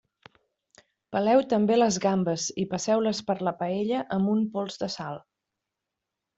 Peleu també les gambes i passeu-les per la paella amb un pols de sal.